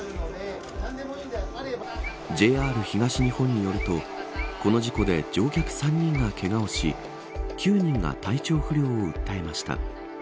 ＪＲ東日本によるとこの事故で乗客３人がけがをし９人が体調不良を訴えました。